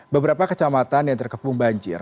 beberapa kecamatan yang terkepung banjir